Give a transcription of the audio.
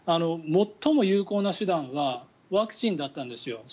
最も有効な手段はワクチンだったんですよ。